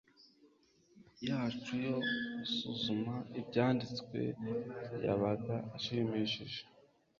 yacu yo gusuzuma Ibyanditswe yabaga ashimishije